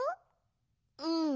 うん。